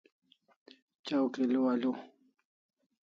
Chaw kilo alu